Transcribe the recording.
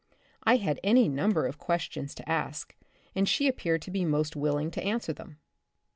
I had any number of questions to ask, and she appeared to be most willing to answer them.